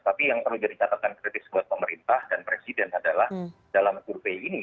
tapi yang perlu jadi catatan kritis buat pemerintah dan presiden adalah dalam survei ini